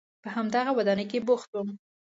په همدغه ودانۍ کې بوخت وم.